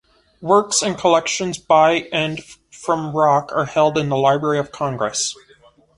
Works and collections by and from Rock are held in the Library of Congress.